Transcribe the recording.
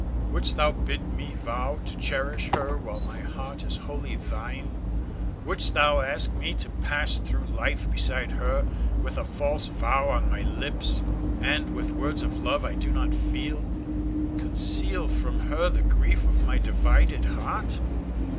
Wouldst thou bid me vow to cherish her while my heart is wholly thine? Wouldst thou ask me to pass through life beside her with a false vow on my lips, and, with words of love I do not feel, conceal from her the grief of my divided heart?